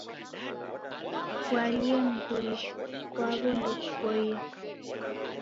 Kualia mngulu kwaw'o ndokupoie.